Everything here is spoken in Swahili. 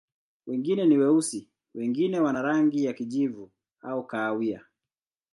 Wengine ni weusi, wengine wana rangi ya kijivu au kahawia.